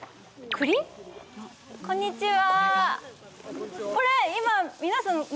こんにちは。